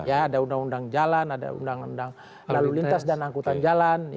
ada undang undang jalan ada undang undang lalu lintas dan angkutan jalan